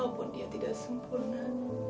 walaupun dia tidak sempurna